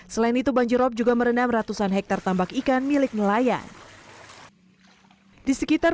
selain itu banjirrop juga merenam ratusan hektar tambak ikan milik nelayan di sekitar